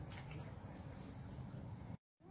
เลยสมุทร